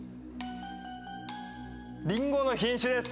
りんごの品種です！